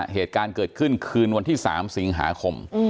เหตุการณ์เกิดขึ้นคืนวันที่๓สิงหาคม